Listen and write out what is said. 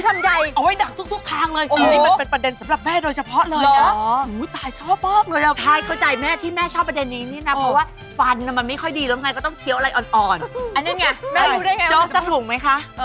แม่รู้ได้ไงว่าจะเป็นประโยชน์โจ๊กสักถุงไหมคะ